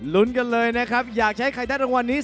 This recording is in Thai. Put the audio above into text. ลุ้นกันเลยนะครับอยากใช้ใครได้รางวัลนี้